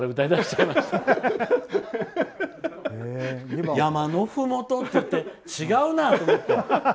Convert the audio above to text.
「やまのふもと」って言って違うなと思って。